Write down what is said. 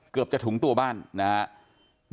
เกือบจะถุงตัวบ้านนะครับ